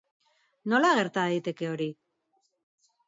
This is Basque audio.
Nola gerta daiteke hori?